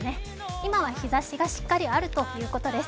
今は日ざしがしっかりあるということです。